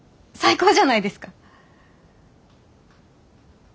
最高じゃないですか？